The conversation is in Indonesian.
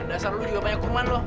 dasar lo juga banyak kumuman lo